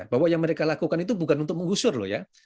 bahwa yang mereka lakukan itu bukan untuk menggusur loh ya